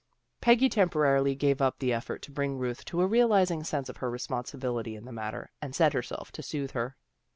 " Peggy temporarily gave up the effort to bring Ruth to a realizing sense of her responsi bility in the matter, and set herself to soothe her.